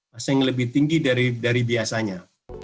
masa yang lebih tinggi dari biasanya